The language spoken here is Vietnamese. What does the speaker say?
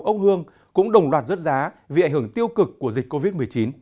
ốc hương cũng đồng loạt rớt giá vì ảnh hưởng tiêu cực của dịch covid một mươi chín